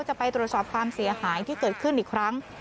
จะไปตรวจสอบความเสียหายที่เกิดขึ้นอีกครั้ง